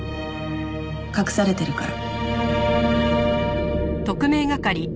隠されてるから。